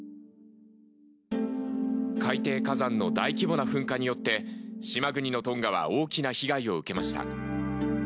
海底火山の大規模な噴火によって島国のトンガは大きな被害を受けました。